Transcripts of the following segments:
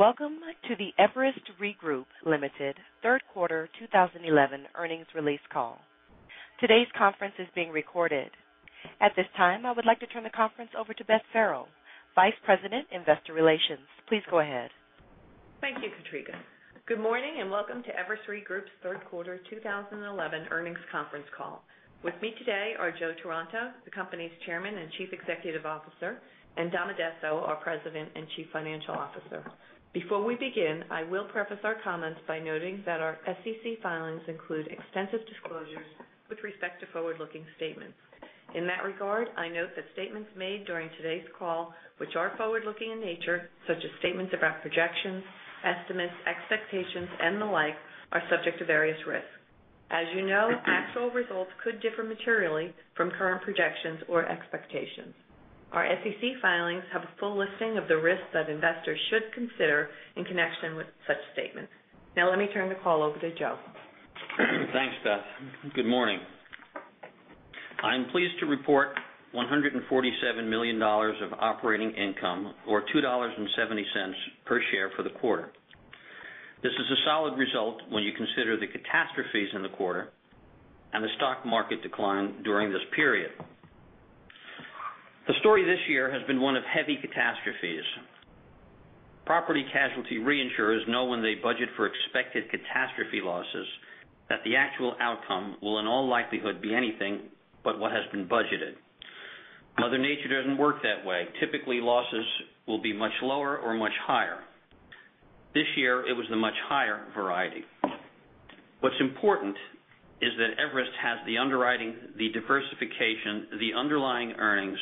Welcome to the Everest Re Group Limited third quarter 2011 earnings release call. Today's conference is being recorded. At this time, I would like to turn the conference over to Beth Farrell, Vice President, Investor Relations. Please go ahead. Thank you, Katrika. Good morning and welcome to Everest Re Group's third quarter 2011 earnings conference call. With me today are Joe Taranto, the company's Chairman and Chief Executive Officer, and Dom Addesso, our President and Chief Financial Officer. Before we begin, I will preface our comments by noting that our SEC filings include extensive disclosures with respect to forward-looking statements. In that regard, I note that statements made during today's call, which are forward-looking in nature, such as statements about projections, estimates, expectations, and the like, are subject to various risks. As you know, actual results could differ materially from current projections or expectations. Our SEC filings have a full listing of the risks that investors should consider in connection with such statements. Now let me turn the call over to Joe. Thanks, Beth. Good morning. I'm pleased to report $147 million of operating income or $2.70 per share for the quarter. This is a solid result when you consider the catastrophes in the quarter and the stock market decline during this period. The story this year has been one of heavy catastrophes. Property casualty reinsurers know when they budget for expected catastrophe losses that the actual outcome will in all likelihood be anything but what has been budgeted. Mother Nature doesn't work that way. Typically, losses will be much lower or much higher. This year it was the much higher variety. What's important is that Everest has the underwriting, the diversification, the underlying earnings,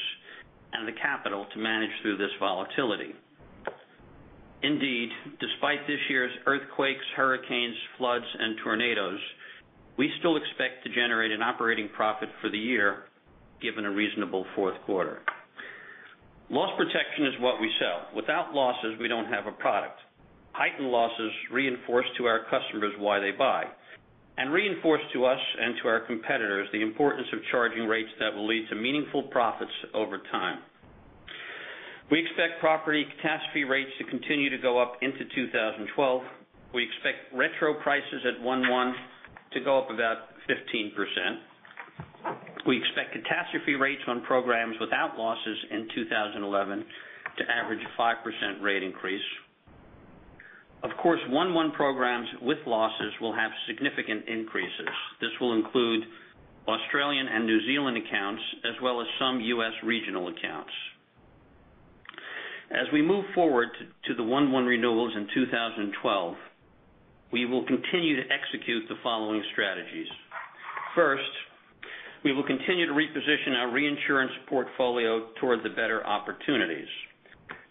and the capital to manage through this volatility. Indeed, despite this year's earthquakes, hurricanes, floods, and tornadoes, we still expect to generate an operating profit for the year, given a reasonable fourth quarter. Loss protection is what we sell. Without losses, we don't have a product. Heightened losses reinforce to our customers why they buy and reinforce to us and to our competitors the importance of charging rates that will lead to meaningful profits over time. We expect property catastrophe rates to continue to go up into 2012. We expect retro prices at one/one to go up about 15%. We expect catastrophe rates on programs without losses in 2011 to average a 5% rate increase. Of course, one/one programs with losses will have significant increases. This will include Australian and New Zealand accounts as well as some U.S. regional accounts. As we move forward to the one/one renewals in 2012, we will continue to execute the following strategies. First, we will continue to reposition our reinsurance portfolio toward the better opportunities.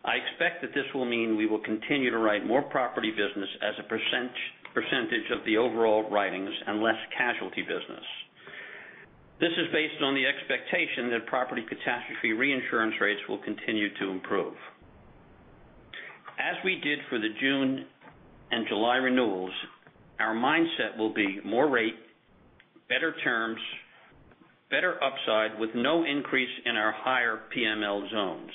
I expect that this will mean we will continue to write more property business as a percentage of the overall writings and less casualty business. This is based on the expectation that property catastrophe reinsurance rates will continue to improve. As we did for the June and July renewals, our mindset will be more rate, better terms, better upside with no increase in our higher PML zones.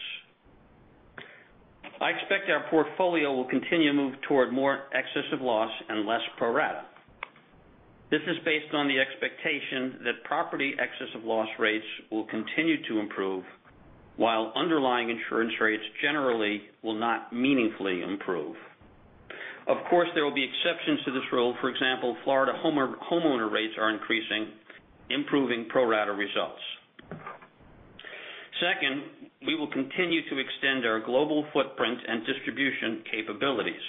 I expect our portfolio will continue to move toward more excess of loss and less pro rata. This is based on the expectation that property excess of loss rates will continue to improve while underlying insurance rates generally will not meaningfully improve. Of course, there will be exceptions to this rule. For example, Florida homeowner rates are increasing, improving pro rata results. Second, we will continue to extend our global footprint and distribution capabilities.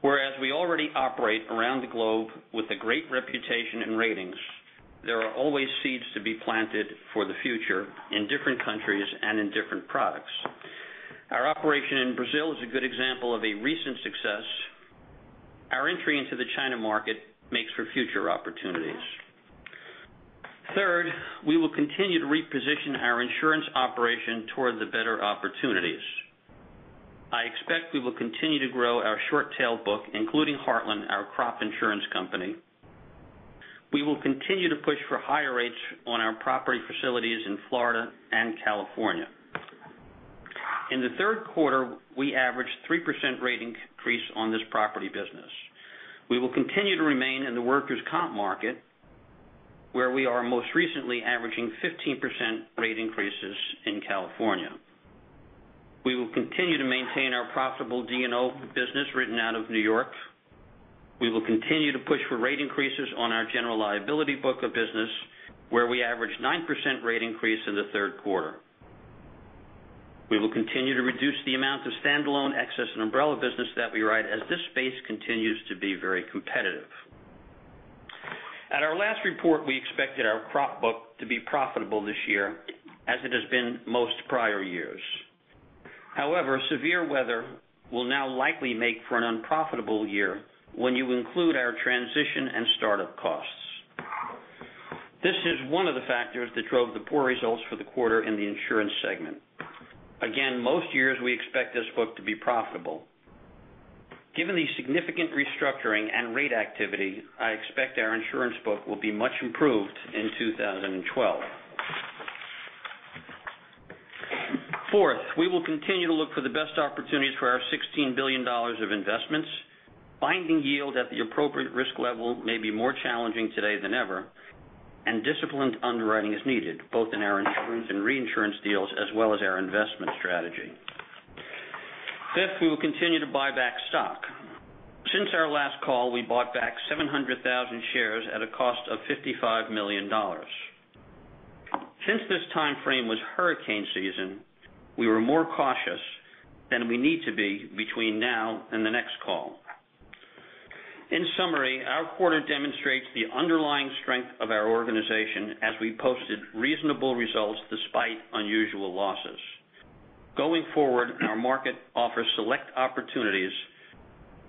Whereas we already operate around the globe with a great reputation and ratings, there are always seeds to be planted for the future in different countries and in different products. Our operation in Brazil is a good example of a recent success. Our entry into the China market makes for future opportunities. Third, we will continue to reposition our insurance operation toward the better opportunities. I expect we will continue to grow our short tail book, including Heartland, our crop insurance company. We will continue to push for higher rates on our property facilities in Florida and California. In the third quarter, we averaged 3% rate increase on this property business. We will continue to remain in the workers' comp market, where we are most recently averaging 15% rate increases in California. We will continue to maintain our profitable D&O business written out of New York. We will continue to push for rate increases on our general liability book of business, where we averaged 9% rate increase in the third quarter. We will continue to reduce the amount of standalone excess and umbrella business that we write as this space continues to be very competitive. At our last report, we expected our crop book to be profitable this year, as it has been most prior years. However, severe weather will now likely make for an unprofitable year when you include our transition and startup costs. This is one of the factors that drove the poor results for the quarter in the insurance segment. Again, most years we expect this book to be profitable. Given the significant restructuring and rate activity, I expect our insurance book will be much improved in 2012. Fourth, we will continue to look for the best opportunities for our $16 billion of investments. Finding yield at the appropriate risk level may be more challenging today than ever, and disciplined underwriting is needed, both in our insurance and reinsurance deals, as well as our investment strategy. Fifth, we will continue to buy back stock. Since our last call, we bought back 700,000 shares at a cost of $55 million. Since this timeframe was hurricane season, we were more cautious than we need to be between now and the next call. In summary, our quarter demonstrates the underlying strength of our organization as we posted reasonable results despite unusual losses. Going forward, our market offers select opportunities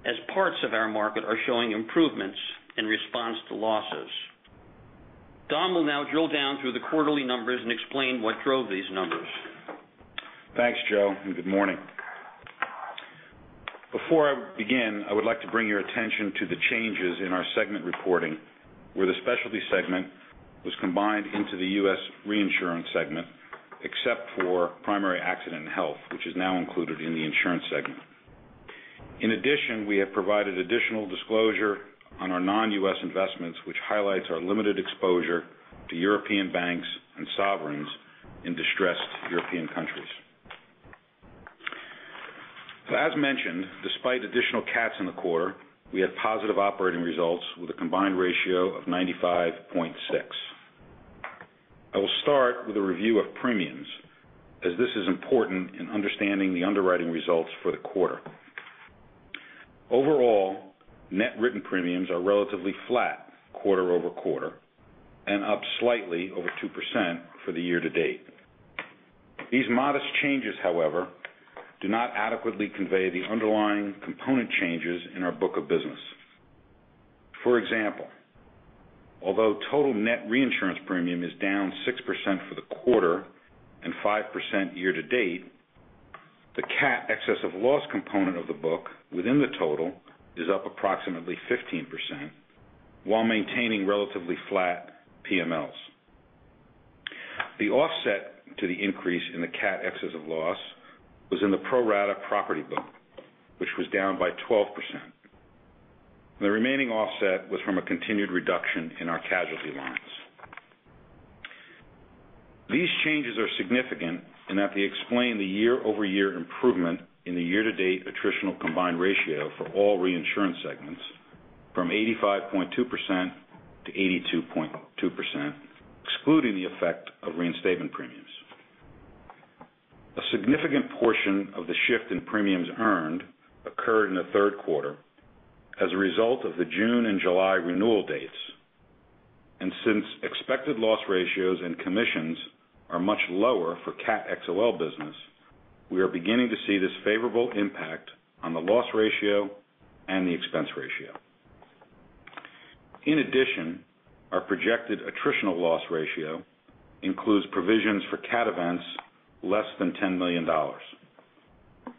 as parts of our market are showing improvements in response to losses. Dom will now drill down through the quarterly numbers and explain what drove these numbers. Thanks, Joe, and good morning. Before I begin, I would like to bring your attention to the changes in our segment reporting, where the specialty segment was combined into the U.S. reinsurance segment, except for primary accident health, which is now included in the insurance segment. In addition, we have provided additional disclosure on our non-U.S. investments, which highlights our limited exposure to European banks and sovereigns in distressed European countries. As mentioned, despite additional cats in the quarter, we had positive operating results with a combined ratio of 95.6%. I will start with a review of premiums, as this is important in understanding the underwriting results for the quarter. Overall, net written premiums are relatively flat quarter-over-quarter, and up slightly over 2% for the year-to-date. These modest changes, however, do not adequately convey the underlying component changes in our book of business. For example, although total net reinsurance premium is down 6% for the quarter and 5% year-to-date, the cat Excess of Loss component of the book within the total is up approximately 15% while maintaining relatively flat PMLs. The offset to the increase in the cat Excess of Loss was in the pro rata property book, which was down by 12%. The remaining offset was from a continued reduction in our casualty lines. These changes are significant in that they explain the year-over-year improvement in the year-to-date attritional combined ratio for all reinsurance segments from 85.2% to 82.2%, excluding the effect of reinstatement premiums. A significant portion of the shift in premiums earned occurred in the third quarter as a result of the June and July renewal dates. Since expected loss ratios and commissions are much lower for Catastrophe XOL business, we are beginning to see this favorable impact on the loss ratio and the expense ratio. In addition, our projected attritional loss ratio includes provisions for cat events less than $10 million.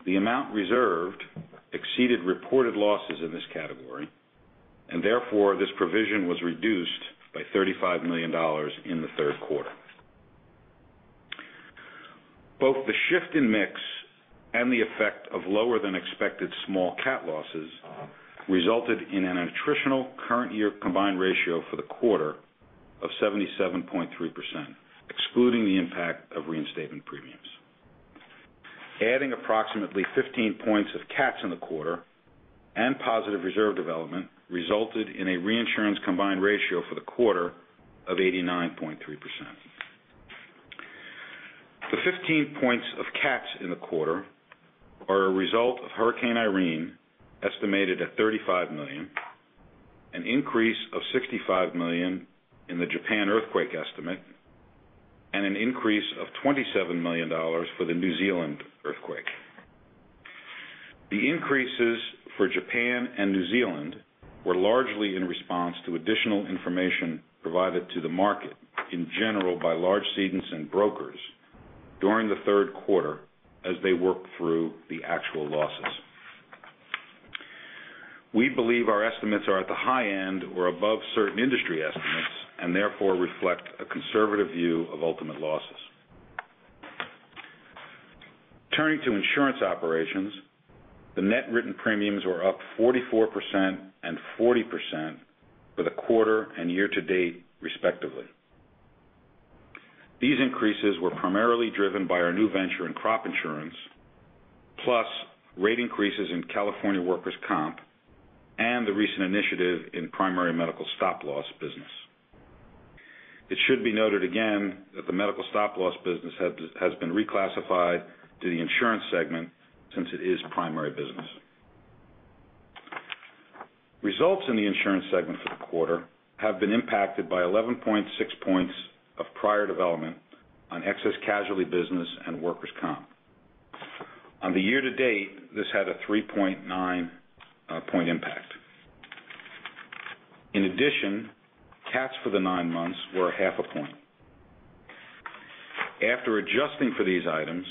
The amount reserved exceeded reported losses in this category, and therefore, this provision was reduced by $35 million in the third quarter. Both the shift in mix and the effect of lower than expected small cat losses resulted in an attritional current year combined ratio for the quarter of 77.3%, excluding the impact of reinstatement premiums. Adding approximately 15 points of cats in the quarter and positive reserve development resulted in a reinsurance combined ratio for the quarter of 89.3%. The 15 points of cats in the quarter are a result of Hurricane Irene, estimated at $35 million, an increase of $65 million in the Japan earthquake estimate, and an increase of $27 million for the New Zealand earthquake. The increases for Japan and New Zealand were largely in response to additional information provided to the market in general by large cedents and brokers during the third quarter as they worked through the actual losses. We believe our estimates are at the high end or above certain industry estimates, and therefore reflect a conservative view of ultimate losses. Turning to insurance operations, the net written premiums were up 44% and 40% for the quarter and year-to-date, respectively. These increases were primarily driven by our new venture in crop insurance, plus rate increases in California workers' comp, and the recent initiative in primary medical stop loss business. It should be noted again that the medical stop loss business has been reclassified to the insurance segment since it is primary business. Results in the insurance segment for the quarter have been impacted by 11.6 points of prior development on excess casualty business and workers' comp. On the year to date, this had a 3.9 point impact. In addition, cats for the nine months were half a point. After adjusting for these items,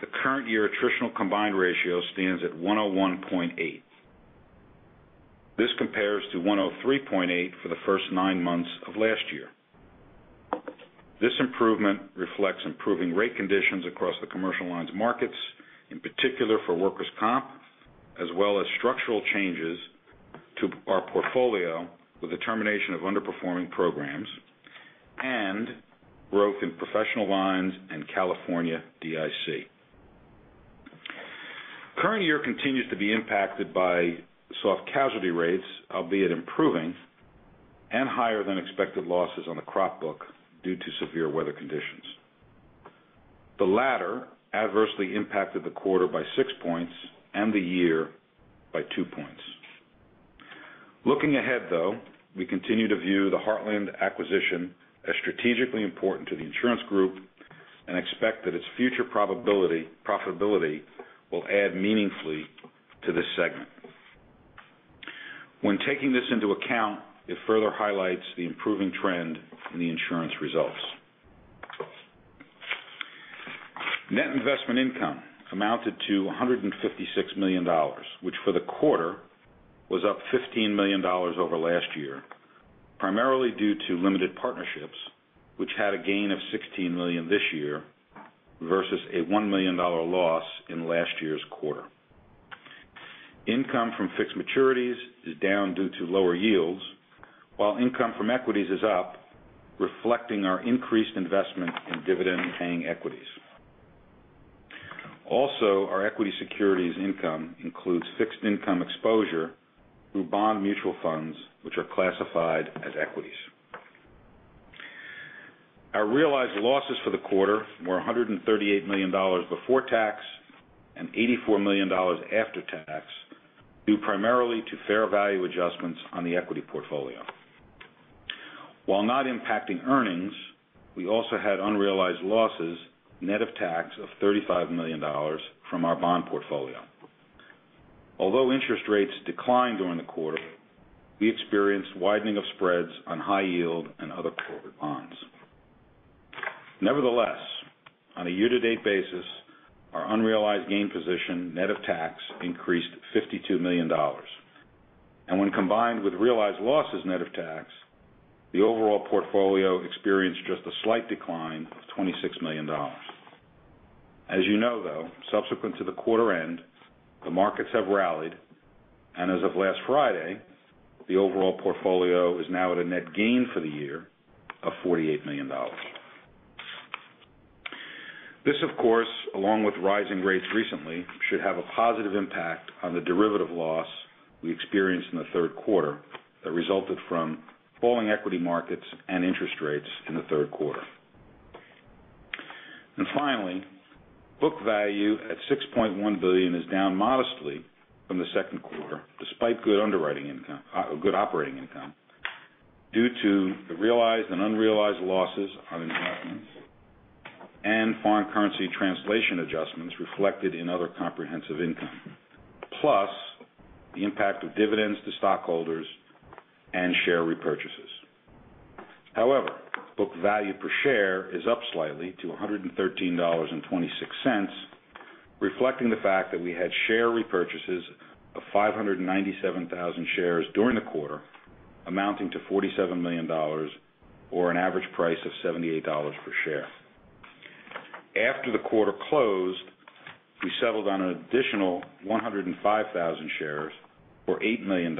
the current year attritional combined ratio stands at 101.8. This compares to 103.8 for the first nine months of last year. This improvement reflects improving rate conditions across the commercial lines markets, in particular for workers' comp, as well as structural changes to our portfolio with the termination of underperforming programs and growth in professional lines and California DIC. Current year continues to be impacted by soft casualty rates, albeit improving, and higher than expected losses on the crop book due to severe weather conditions. The latter adversely impacted the quarter by 6 points and the year by 2 points. Looking ahead, though, we continue to view the Heartland acquisition as strategically important to the insurance group and expect that its future profitability will add meaningfully to this segment. When taking this into account, it further highlights the improving trend in the insurance results. Net investment income amounted to $156 million, which for the quarter was up $15 million over last year, primarily due to limited partnerships, which had a gain of $16 million this year versus a $1 million loss in last year's quarter. Income from fixed maturities is down due to lower yields, while income from equities is up, reflecting our increased investment in dividend-paying equities. Also, our equity securities income includes fixed income exposure through bond mutual funds, which are classified as equities. Our realized losses for the quarter were $138 million before tax and $84 million after tax, due primarily to fair value adjustments on the equity portfolio. While not impacting earnings, we also had unrealized losses, net of tax of $35 million from our bond portfolio. Although interest rates declined during the quarter, we experienced widening of spreads on high yield and other corporate bonds. Nevertheless, on a year-to-date basis, our unrealized gain position net of tax increased $52 million. And when combined with realized losses net of tax, the overall portfolio experienced just a slight decline of $26 million. As you know, though, subsequent to the quarter end, the markets have rallied, and as of last Friday, the overall portfolio is now at a net gain for the year of $48 million. This, of course, along with rising rates recently, should have a positive impact on the derivative loss we experienced in the third quarter that resulted from falling equity markets and interest rates in the third quarter. Finally, book value at $6.1 billion is down modestly from the second quarter, despite good operating income, due to the realized and unrealized losses on investments and foreign currency translation adjustments reflected in other comprehensive income, plus the impact of dividends to stockholders and share repurchases. However, book value per share is up slightly to $113.26, reflecting the fact that we had share repurchases of 597,000 shares during the quarter, amounting to $47 million or an average price of $78 per share. After the quarter closed, we settled on an additional 105,000 shares for $8 million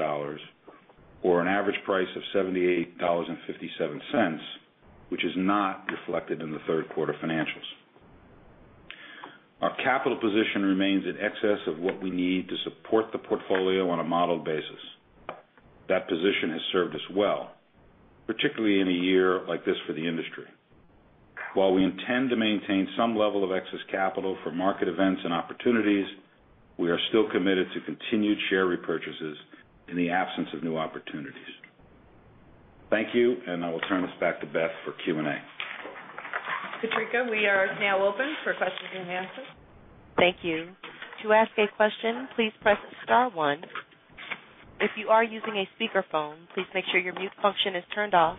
or an average price of $78.57, which is not reflected in the third quarter financials. Our capital position remains in excess of what we need to support the portfolio on a modeled basis. That position has served us well, particularly in a year like this for the industry. While we intend to maintain some level of excess capital for market events and opportunities, we are still committed to continued share repurchases in the absence of new opportunities. Thank you, and I will turn this back to Beth for Q&A. Katrika, we are now open for questions and answers. Thank you. To ask a question, please press star one. If you are using a speakerphone, please make sure your mute function is turned off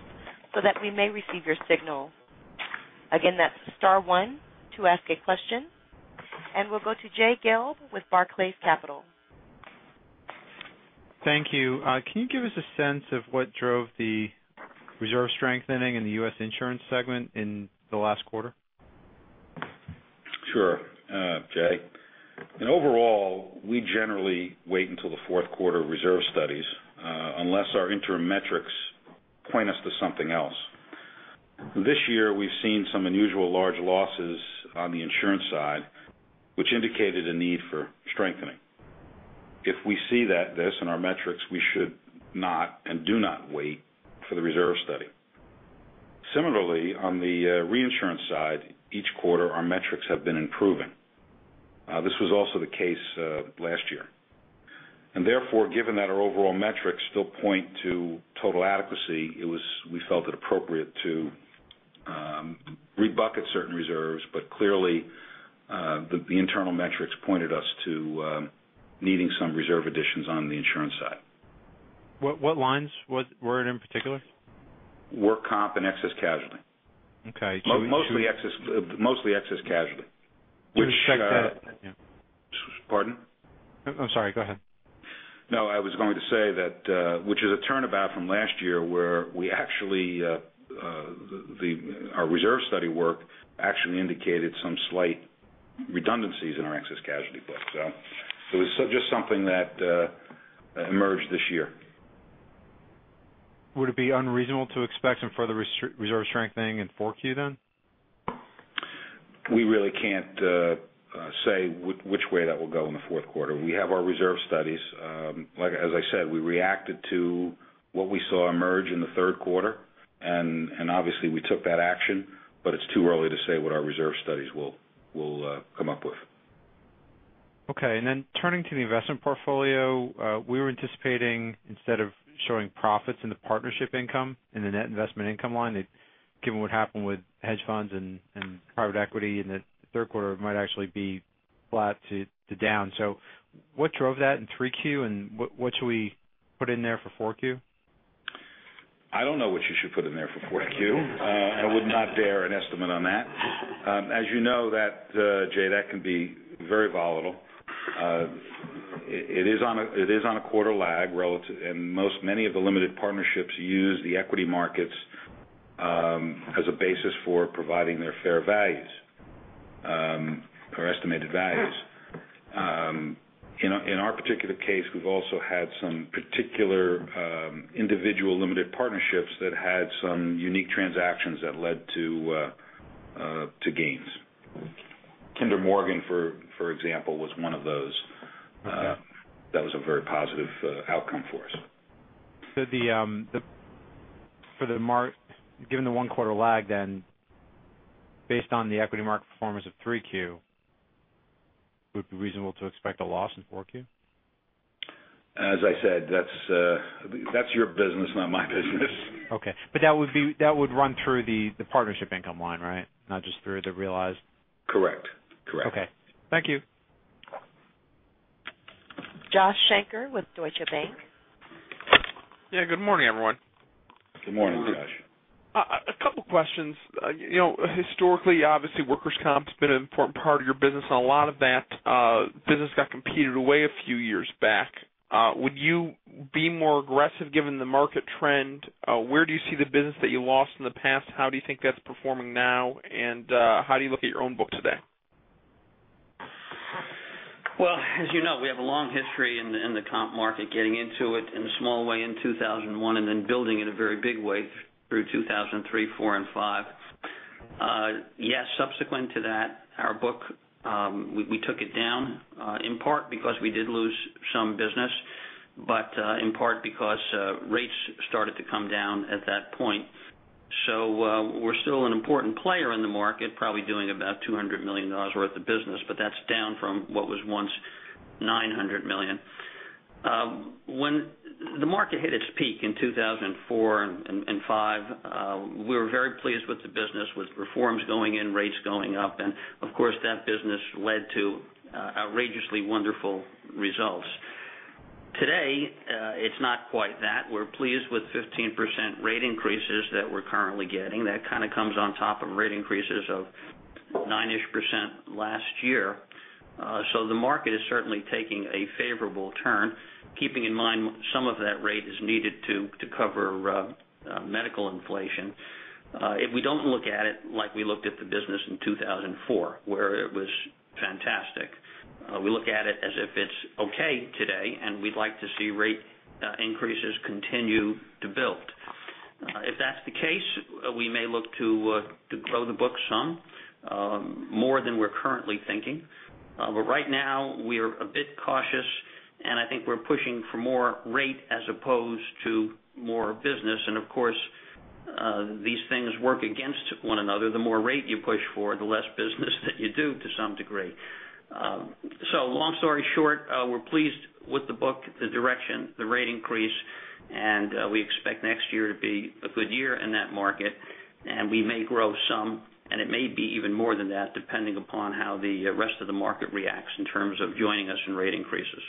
so that we may receive your signal. Again, that's star one to ask a question. We'll go to Jay Gelb with Barclays Capital. Thank you. Can you give us a sense of what drove the reserve strengthening in the U.S. insurance segment in the last quarter? Sure, Jay. In overall, we generally wait until the fourth quarter reserve studies, unless our interim metrics point us to something else. This year, we've seen some unusual large losses on the insurance side, which indicated a need for strengthening. If we see this in our metrics, we should not and do not wait for the reserve study. Similarly, on the reinsurance side, each quarter, our metrics have been improving. This was also the case last year. Therefore, given that our overall metrics still point to total adequacy, we felt it appropriate to rebucket certain reserves, clearly, the internal metrics pointed us to needing some reserve additions on the insurance side. What lines were it in particular? Work comp and excess casualty. Okay. Mostly excess casualty. Should expect that- Pardon? I'm sorry, go ahead. No, I was going to say that, which is a turnabout from last year where our reserve study work actually indicated some slight redundancies in our excess casualty book. It was just something that emerged this year. Would it be unreasonable to expect some further reserve strengthening in 4Q then? We really can't say which way that will go in the fourth quarter. We have our reserve studies. As I said, we reacted to what we saw emerge in the third quarter, obviously we took that action, it's too early to say what our reserve studies will come up with. Okay, turning to the investment portfolio, we were anticipating instead of showing profits in the partnership income, in the net investment income line, given what happened with hedge funds and private equity in the third quarter, it might actually be flat to down. What drove that in 3Q, what should we put in there for 4Q? I don't know what you should put in there for 4Q. I would not dare an estimate on that. As you know, Jay, that can be very volatile. It is on a quarter lag relative, many of the limited partnerships use the equity markets as a basis for providing their fair values or estimated values. In our particular case, we've also had some particular individual limited partnerships that had some unique transactions that led to gains. Kinder Morgan, for example, was one of those. Okay. That was a very positive outcome for us. Given the one quarter lag, based on the equity market performance of 3Q, would it be reasonable to expect a loss in 4Q? As I said, that's your business, not my business. Okay. That would run through the partnership income line, right? Not just through the realized. Correct. Okay. Thank you. Joshua Shanker with Deutsche Bank. Yeah, good morning, everyone. Good morning, Josh. A couple questions. Historically, obviously workers' comp's been an important part of your business, and a lot of that business got competed away a few years back. Would you be more aggressive given the market trend? Where do you see the business that you lost in the past? How do you think that's performing now, and how do you look at your own book today? Well, as you know, we have a long history in the comp market, getting into it in a small way in 2001 and then building in a very big way through 2003, 2004, and 2005. Yes, subsequent to that, our book, we took it down, in part because we did lose some business, but in part because rates started to come down at that point. We're still an important player in the market, probably doing about $200 million worth of business, but that's down from what was once $900 million. When the market hit its peak in 2004 and 2005, we were very pleased with the business, with reforms going in, rates going up, and of course, that business led to outrageously wonderful results. Today, it's not quite that. We're pleased with 15% rate increases that we're currently getting. That kind of comes on top of rate increases of nine-ish % last year. The market is certainly taking a favorable turn. Keeping in mind, some of that rate is needed to cover medical inflation. We don't look at it like we looked at the business in 2004, where it was fantastic. We look at it as if it's okay today, and we'd like to see rate increases continue to build. If that's the case, we may look to grow the book some, more than we're currently thinking. Right now, we're a bit cautious, and I think we're pushing for more rate as opposed to more business. Of course, these things work against one another. The more rate you push for, the less business that you do to some degree. Long story short, we're pleased with the book, the direction, the rate increase, and we expect next year to be a good year in that market, and we may grow some, and it may be even more than that, depending upon how the rest of the market reacts in terms of joining us in rate increases.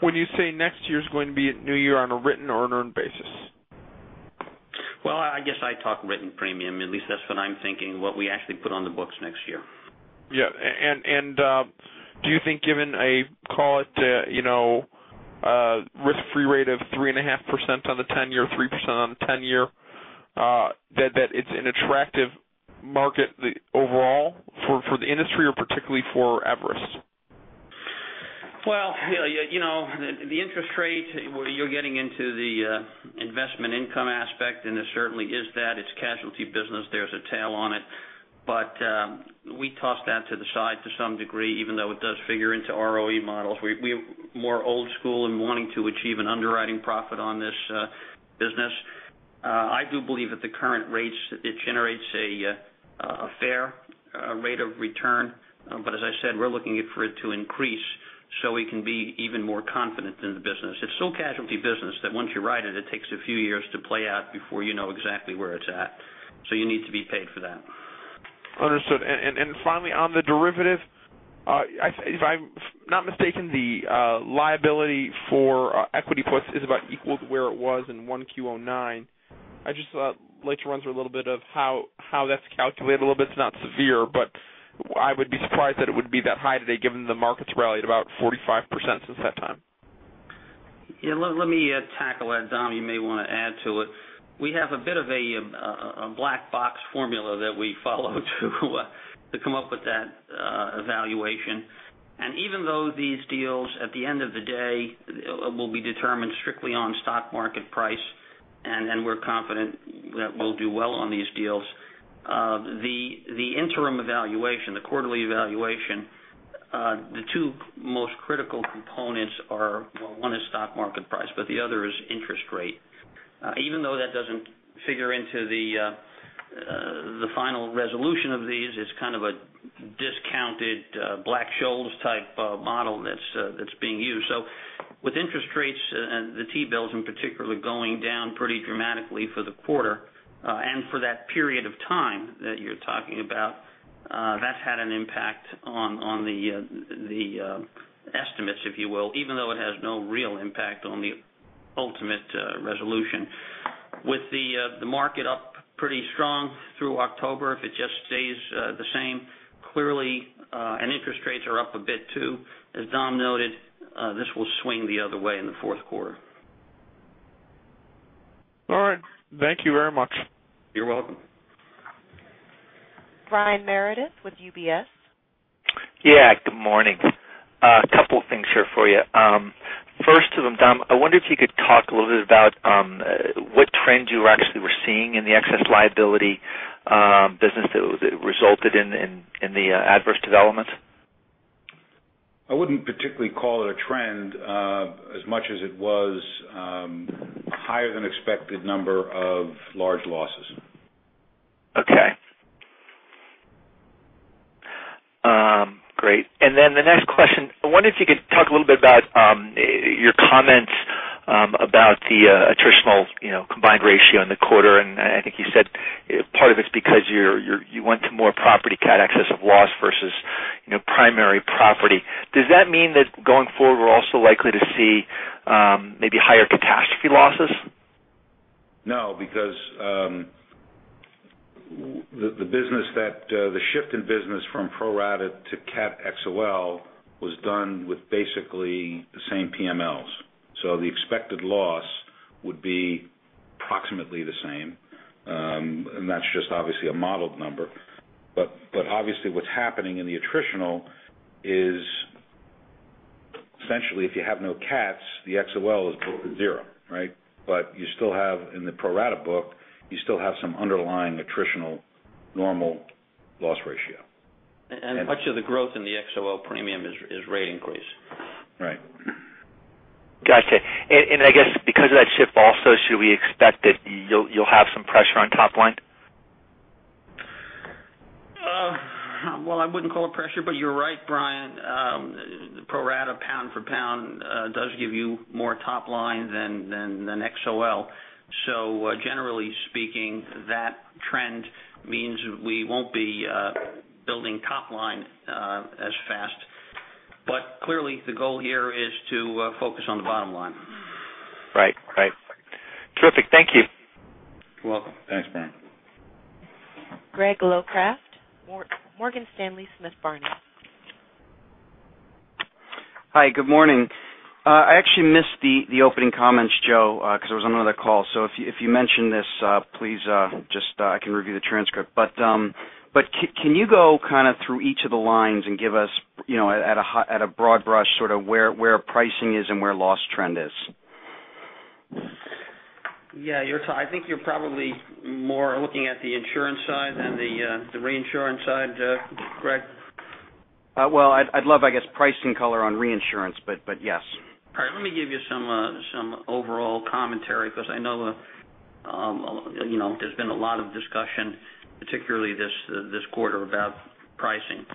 When you say next year's going to be a new year on a written or an earned basis? Well, I guess I talk written premium. At least that's what I'm thinking, what we actually put on the books next year. Yeah. Do you think given a, call it a risk-free rate of 3.5% on the 10-year, 3% on the 10-year, that it's an attractive market overall for the industry or particularly for Everest? Well, the interest rate, you're getting into the investment income aspect, and it certainly is that. It's casualty business. There's a tail on it. We toss that to the side to some degree, even though it does figure into ROE models. We're more old school in wanting to achieve an underwriting profit on this business. I do believe at the current rates, it generates a fair rate of return. As I said, we're looking for it to increase so we can be even more confident in the business. It's still casualty business, that once you write it takes a few years to play out before you know exactly where it's at. You need to be paid for that. Understood. Finally, on the derivative, if I'm not mistaken, the liability for equity puts is about equal to where it was in one Q 2009. I'd just like to run through a little bit of how that's calculated a little bit. It's not severe, but I would be surprised that it would be that high today given the market's rallied about 45% since that time. Yeah, let me tackle that. Dom, you may want to add to it. We have a bit of a Black-Scholes formula that we follow to come up with that evaluation. Even though these deals, at the end of the day, will be determined strictly on stock market price, and we're confident that we'll do well on these deals. The interim evaluation, the quarterly evaluation, the two most critical components are, well, one is stock market price, but the other is interest rate. Even though that doesn't figure into the final resolution of these, it's kind of a discounted Black-Scholes type model that's being used. With interest rates and the T-bills in particular going down pretty dramatically for the quarter, and for that period of time that you're talking about, that's had an impact on the estimates, if you will, even though it has no real impact on the ultimate resolution. With the market up pretty strong through October, if it just stays the same, clearly, and interest rates are up a bit too, as Dom noted, this will swing the other way in the fourth quarter. All right. Thank you very much. You're welcome. Brian Meredith with UBS. Yeah, good morning. A couple things here for you. First of them, Dom, I wonder if you could talk a little bit about what trends you actually were seeing in the excess liability business that resulted in the adverse developments. I wouldn't particularly call it a trend, as much as it was a higher than expected number of large losses. Okay. Great. The next question. I wonder if you could talk a little bit about your comments about the attritional combined ratio in the quarter, and I think you said part of it's because you went to more property cat excess of loss versus primary property. Does that mean that going forward, we're also likely to see maybe higher catastrophe losses? No, because the shift in business from pro rata to Catastrophe XOL was done with basically the same PMLs. The expected loss would be approximately the same. That's just obviously a modeled number. Obviously, what's happening in the attritional is essentially if you have no cats, the XOL is zero, right? You still have in the pro rata book, you still have some underlying attritional normal loss ratio. Much of the growth in the XOL premium is rate increase. Right. Got you. I guess because of that shift also, should we expect that you'll have some pressure on top line? Well, I wouldn't call it pressure, but you're right, Brian. Pro rata pound for pound does give you more top line than XOL. Generally speaking, that trend means we won't be building top line as fast. Clearly, the goal here is to focus on the bottom line. Right. Terrific. Thank you. You're welcome. Thanks, Brian. Greg Locraft, Morgan Stanley Smith Barney. Hi, good morning. I actually missed the opening comments, Joe because I was on another call. If you mentioned this, please, I can review the transcript. Can you go kind of through each of the lines and give us at a broad brush, sort of where pricing is and where loss trend is? Yeah, I think you're probably more looking at the insurance side than the reinsurance side, Greg. Well, I'd love, I guess, pricing color on reinsurance. Yes. All right. Let me give you some overall commentary because I know there's been a lot of discussion, particularly this quarter, about pricing.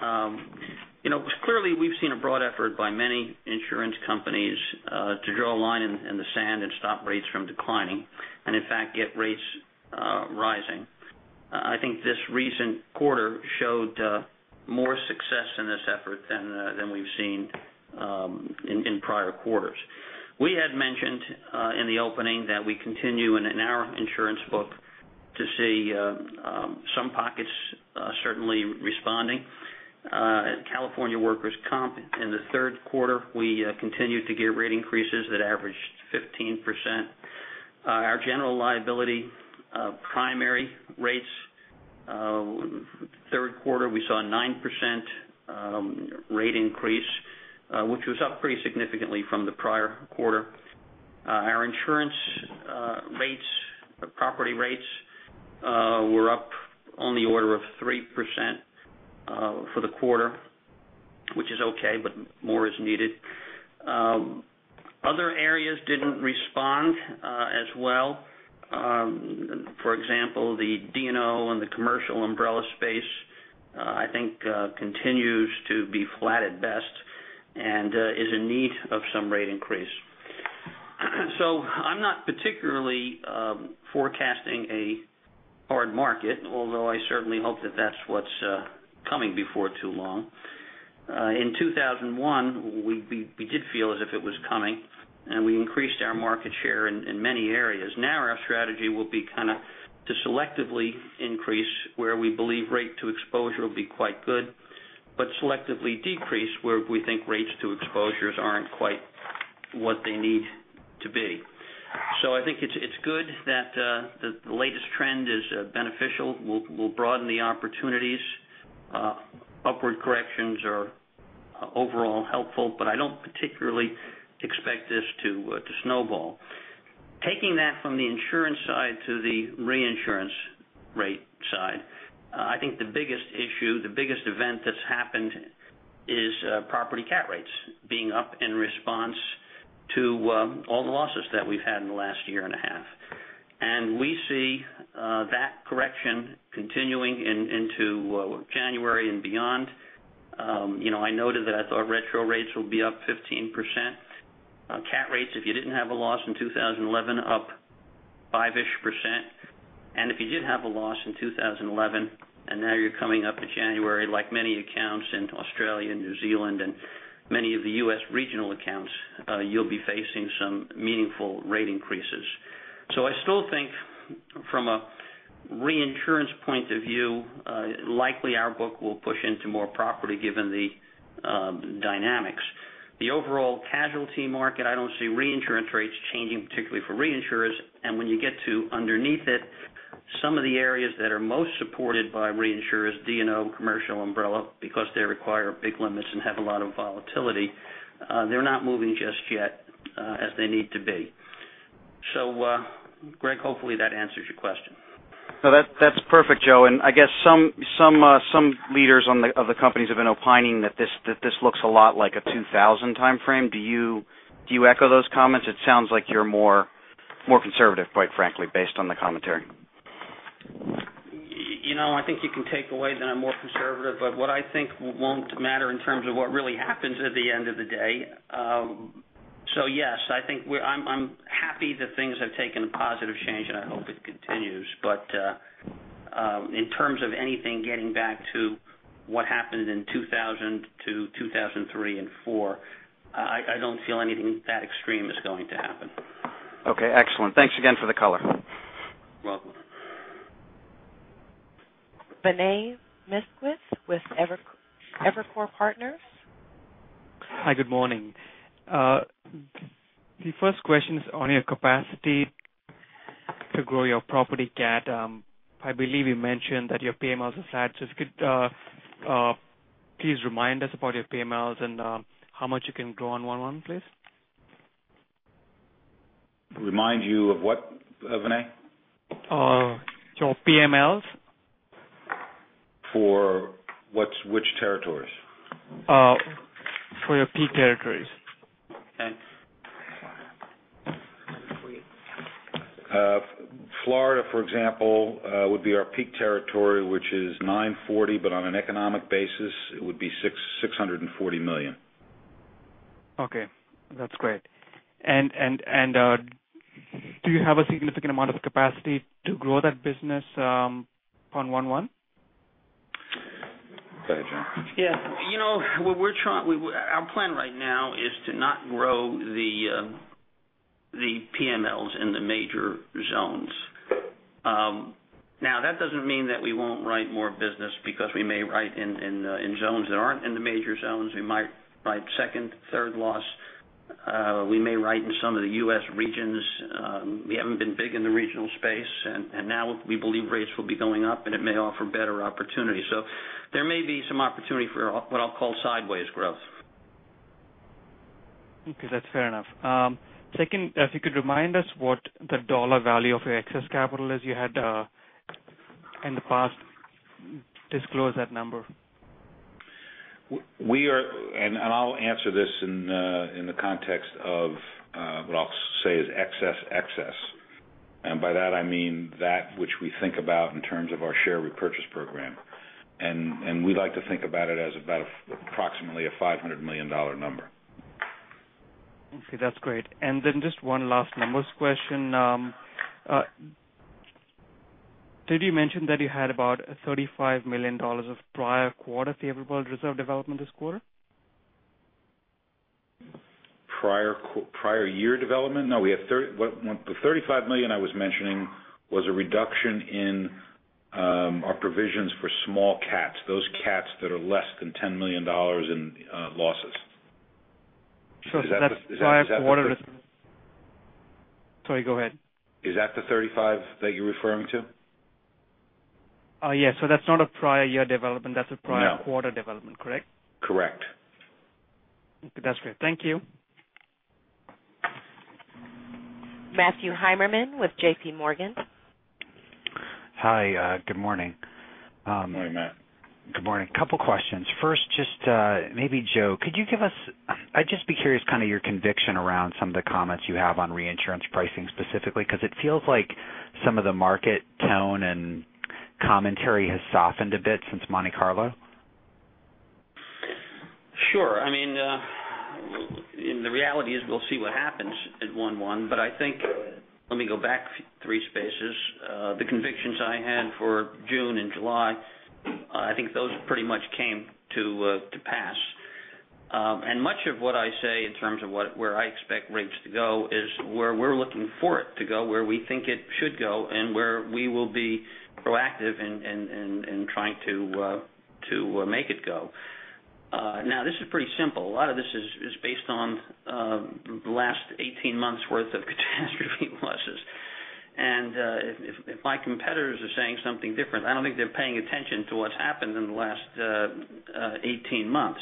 Clearly, we've seen a broad effort by many insurance companies to draw a line in the sand and stop rates from declining, and in fact, get rates rising. I think this recent quarter showed more success in this effort than we've seen in prior quarters. We had mentioned in the opening that we continue in our insurance book to see some pockets certainly responding. At California workers comp in the third quarter, we continued to get rate increases that averaged 15%. Our general liability primary rates, third quarter, we saw a 9% rate increase, which was up pretty significantly from the prior quarter. Our insurance rates, the property rates, were up on the order of 3% for the quarter, which is okay, but more is needed. Other areas didn't respond as well. For example, the D&O and the commercial umbrella space I think continues to be flat at best and is in need of some rate increase. I'm not particularly forecasting a hard market, although I certainly hope that that's what's coming before too long. In 2001, we did feel as if it was coming. We increased our market share in many areas. Now our strategy will be to selectively increase where we believe rate to exposure will be quite good, but selectively decrease where we think rates to exposures aren't quite what they need to be. I think it's good that the latest trend is beneficial. We'll broaden the opportunities. Upward corrections are overall helpful, but I don't particularly expect this to snowball. Taking that from the insurance side to the reinsurance rate side, I think the biggest issue, the biggest event that's happened is property Cat rates being up in response to all the losses that we've had in the last year and a half. We see that correction continuing into January and beyond. I noted that I thought retro rates will be up 15%. Cat rates, if you didn't have a loss in 2011, up 5-ish%. If you did have a loss in 2011, and now you're coming up to January, like many accounts in Australia, New Zealand, and many of the U.S. regional accounts, you'll be facing some meaningful rate increases. I still think from a reinsurance point of view, likely our book will push into more property given the dynamics. The overall casualty market, I don't see reinsurance rates changing, particularly for reinsurers. When you get to underneath it, some of the areas that are most supported by reinsurers, D&O commercial umbrella, because they require big limits and have a lot of volatility, they're not moving just yet as they need to be. Greg, hopefully that answers your question. No, that's perfect, Joe. I guess some leaders of the companies have been opining that this looks a lot like a 2000 timeframe. Do you echo those comments? It sounds like you're more conservative, quite frankly, based on the commentary. I think you can take away that I'm more conservative, but what I think won't matter in terms of what really happens at the end of the day. Yes, I'm happy that things have taken a positive change, and I hope it continues. In terms of anything getting back to what happened in 2000 to 2003 and 2004, I don't feel anything that extreme is going to happen. Okay, excellent. Thanks again for the color. Welcome. Vinay Misquith with Evercore Partners. Hi, good morning. The first question is on your capacity to grow your property cat. I believe you mentioned that your PMLs are flat, if you could please remind us about your PMLs and how much you can grow on one one, please. Remind you of what, Vinay? Your PMLs. For which territories? For your peak territories. Okay. Florida, for example, would be our peak territory, which is $940, but on an economic basis, it would be $640 million. Okay, that's great. Do you have a significant amount of capacity to grow that business on one one? Go ahead, Joe. Yeah. Our plan right now is to not grow the PMLs in the major zones. Now, that doesn't mean that we won't write more business, because we may write in zones that aren't in the major zones. We might write second, third loss. We may write in some of the U.S. regions. We haven't been big in the regional space, and now we believe rates will be going up, and it may offer better opportunities. There may be some opportunity for what I'll call sideways growth. Okay. That's fair enough. Second, if you could remind us what the dollar value of your excess capital is. You had in the past disclosed that number. I'll answer this in the context of what I'll say is excess. By that, I mean that which we think about in terms of our share repurchase program. We like to think about it as about approximately a $500 million number. Okay, that's great. Just one last numbers question. Did you mention that you had about $35 million of prior quarter favorable reserve development this quarter? Prior year development? No. The $35 million I was mentioning was a reduction in our provisions for small cats, those cats that are less than $10 million in losses. Is that prior quarter- Is that the- Sorry, go ahead. Is that the 35 that you're referring to? Yes. That's not a prior year development- No That's a prior quarter development, correct? Correct. Okay. That's great. Thank you. Matthew Heimermann with JPMorgan. Hi, good morning. Good morning, Matt. Good morning. Couple questions. First, just maybe Joe, I'd just be curious kind of your conviction around some of the comments you have on reinsurance pricing specifically, because it feels like some of the market tone and commentary has softened a bit since Monte Carlo. Sure. The reality is we'll see what happens at one-one, but let me go back three spaces. The convictions I had for June and July, I think those pretty much came to pass. Much of what I say in terms of where I expect rates to go is where we're looking for it to go, where we think it should go, and where we will be proactive in trying to make it go. This is pretty simple. A lot of this is based on the last 18 months' worth of catastrophe losses. If my competitors are saying something different, I don't think they're paying attention to what's happened in the last 18 months.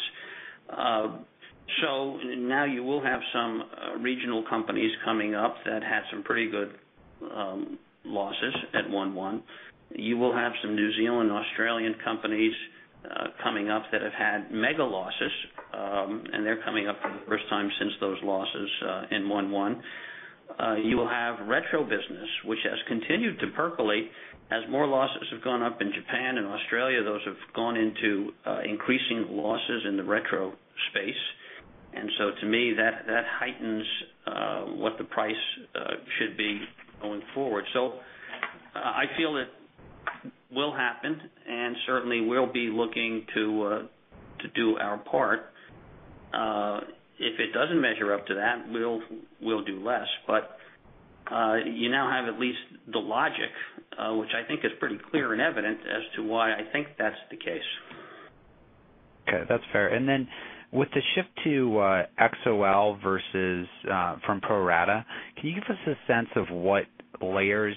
Now you will have some regional companies coming up that had some pretty good losses at one-one. You will have some New Zealand, Australian companies coming up that have had mega losses, and they're coming up for the first time since those losses in one-one. You will have retro business, which has continued to percolate as more losses have gone up in Japan and Australia. Those have gone into increasing losses in the retro space. To me, that heightens what the price should be going forward. I feel it will happen, and certainly we'll be looking to do our part. If it doesn't measure up to that, we'll do less. You now have at least the logic, which I think is pretty clear and evident as to why I think that's the case. Okay, that's fair. With the shift to XOL versus from pro rata, can you give us a sense of what layers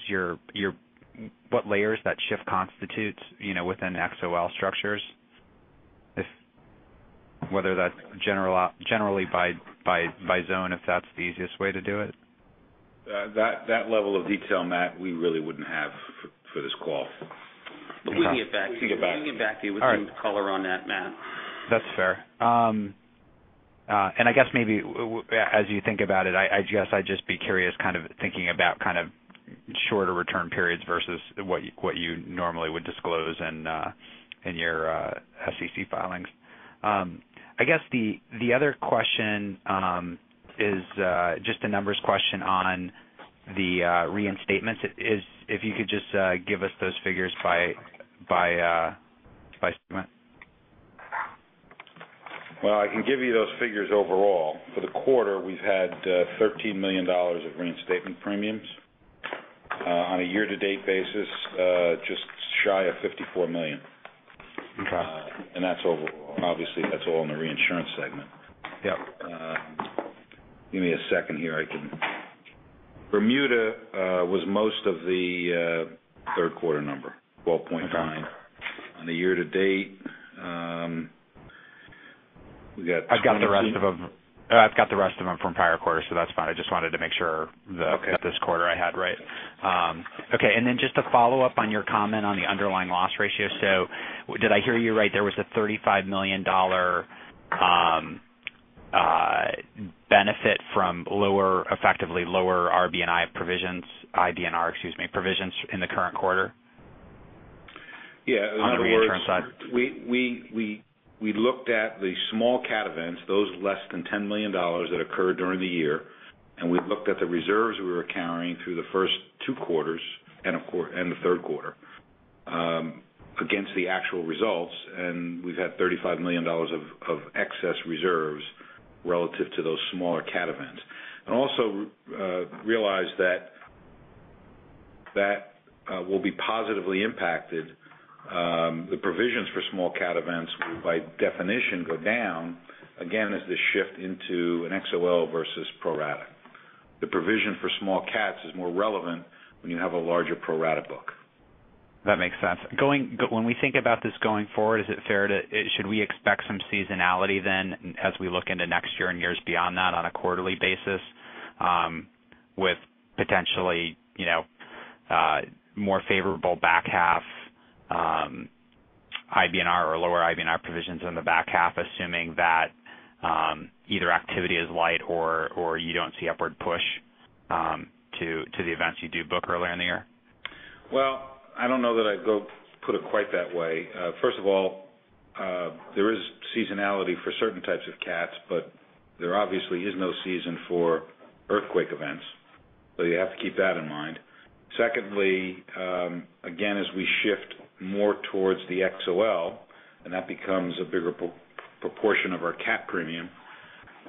that shift constitutes within XOL structures? Whether that's generally by zone, if that's the easiest way to do it? That level of detail, Matt, we really wouldn't have for this call. We can get back to you. We can get back to you. All right. We can color on that, Matt. That's fair. I guess maybe as you think about it, I'd just be curious kind of thinking about shorter return periods versus what you normally would disclose in your SEC filings. I guess the other question is just a numbers question on the reinstatements. If you could just give us those figures by segment. Well, I can give you those figures overall. For the quarter, we've had $13 million of reinstatement premiums. On a year-to-date basis, just shy of $54 million. Okay. That's overall. Obviously, that's all in the reinsurance segment. Yep. Give me a second here. Bermuda was most of the third quarter number, $12.9. Okay. On the year to date, we got. I've got the rest of them from prior quarters, so that's fine. I just wanted to make sure that this quarter I had right. Just to follow up on your comment on the underlying loss ratio. Did I hear you right? There was a $35 million benefit from effectively lower IBNR provisions, excuse me, provisions in the current quarter? Yeah. On the reinsurance side. We looked at the small cat events, those less than $10 million that occurred during the year, and we looked at the reserves we were carrying through the first two quarters, and the third quarter against the actual results, and we've had $35 million of excess reserves relative to those smaller cat events. Also realize that that will be positively impacted. The provisions for small cat events will by definition go down again as they shift into an XOL versus pro rata. The provision for small cats is more relevant when you have a larger pro rata book. That makes sense. When we think about this going forward, should we expect some seasonality as we look into next year and years beyond that on a quarterly basis with potentially more favorable back half IBNR or lower IBNR provisions in the back half, assuming that either activity is light or you don't see upward push to the events you do book early in the year? Well, I don't know that I'd put it quite that way. First of all, there is seasonality for certain types of cats, but there obviously is no season for earthquake events. You have to keep that in mind. Secondly, again, as we shift more towards the XOL, That becomes a bigger proportion of our cat premium.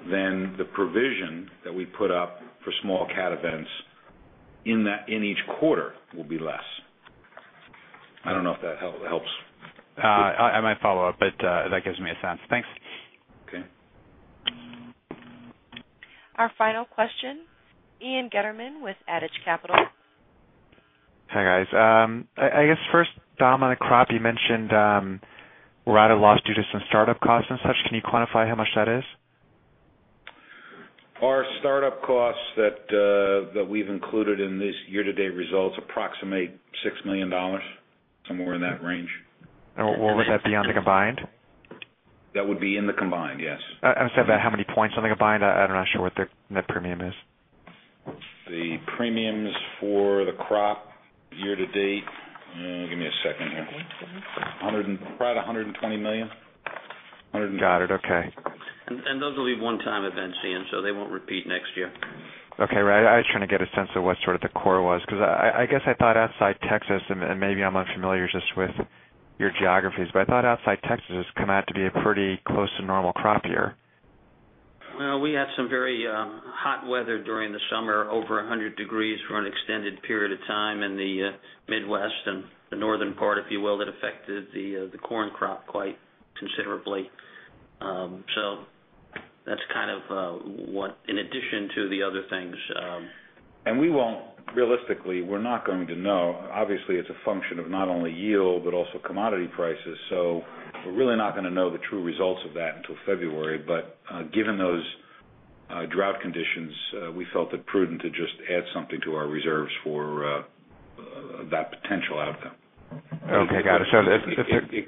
The provision that we put up for small cat events in each quarter will be less. I don't know if that helps. I might follow up, but that gives me a sense. Thanks. Okay. Our final question, Ian Gutterman with Adage Capital. Hi, guys. I guess first, Dom, on the crop you mentioned write a loss due to some startup costs and such. Can you quantify how much that is? Our startup costs that we've included in this year-to-date results approximate $6 million, somewhere in that range. What would that be, on the combined? That would be in the combined, yes. I understand that. How many points on the combined? I'm not sure what the net premium is. The premiums for the crop year to date, give me a second here. Probably $120 million. Got it. Okay. Those will be one-time events, Ian, they won't repeat next year. Okay. Right. I was trying to get a sense of what sort of the core was, I guess I thought outside Texas, maybe I'm unfamiliar just with your geographies, I thought outside Texas has come out to be a pretty close to normal crop year. Well, we had some very hot weather during the summer, over 100 degrees for an extended period of time in the Midwest and the northern part, if you will, that affected the corn crop quite considerably. That's kind of what, in addition to the other things. Realistically, we're not going to know. Obviously, it's a function of not only yield but also commodity prices. We're really not going to know the true results of that until February. Given those drought conditions, we felt it prudent to just add something to our reserves for that potential outcome. Okay, got it.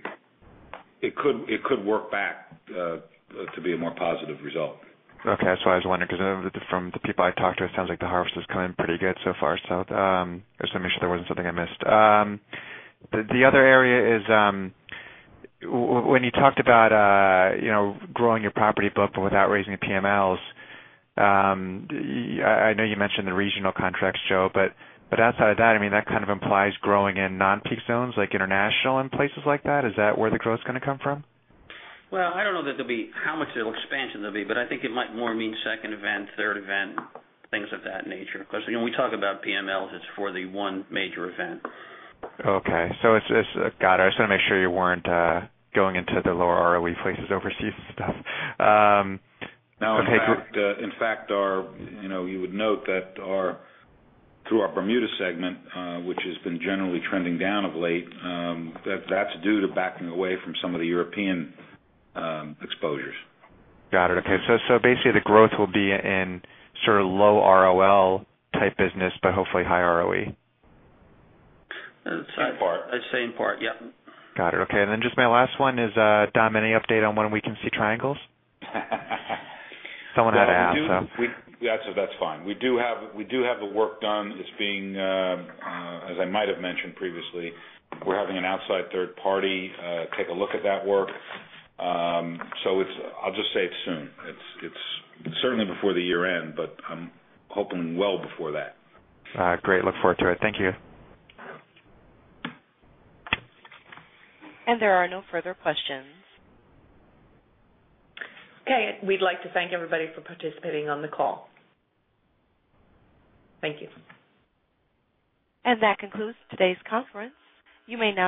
It could work back to be a more positive result. Okay. That's why I was wondering, because from the people I talked to, it sounds like the harvest is coming pretty good so far. I just want to make sure there wasn't something I missed. The other area is when you talked about growing your property book without raising the PMLs. I know you mentioned the regional contracts, Joe, outside of that kind of implies growing in non-peak zones like international and places like that. Is that where the growth is going to come from? Well, I don't know how much expansion there'll be, but I think it might more mean second event, third event, things of that nature. Because when we talk about PMLs, it's for the one major event. Okay. Got it. I just want to make sure you weren't going into the lower ROE places overseas and stuff. No. In fact, you would note that through our Bermuda segment, which has been generally trending down of late, that's due to backing away from some of the European exposures. Got it. Okay. Basically, the growth will be in sort of low ROL type business, but hopefully high ROE. Same part. Yep. Got it. Okay. Then just my last one is, Dom, any update on when we can see triangles? Someone had to ask. That's fine. We do have the work done. I might have mentioned previously, we're having an outside third party take a look at that work. I'll just say it's soon. It's certainly before the year-end, but I'm hoping well before that. Great. Look forward to it. Thank you. There are no further questions. Okay. We'd like to thank everybody for participating on the call. Thank you. That concludes today's conference. You may now disconnect.